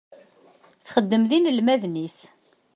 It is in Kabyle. Texdem d yinelmaden-is.